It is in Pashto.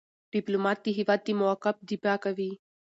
ډيپلومات د هېواد د موقف دفاع کوي.